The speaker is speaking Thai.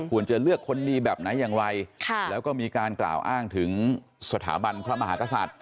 ควรจะเลือกคนดีแบบไหนอย่างไรแล้วก็มีการกล่าวอ้างถึงสถาบันพระมหากษัตริย์